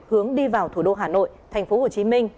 hướng đi vào thủ đô hà nội thành phố hồ chí minh